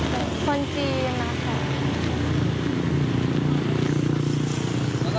คนจีนนะคะ